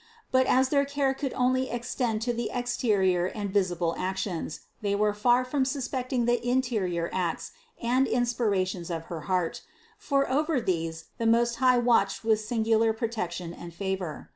But as their care could ex tend only to the exterior and visible actions, they wrere far from suspecting the interior acts and inspirations of her heart, for over these the Most High watched with singular protection and favor.